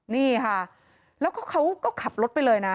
นี่ค่ะแล้วก็เขาก็ขับรถไปเลยนะ